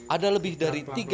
ada lebih dari sepuluh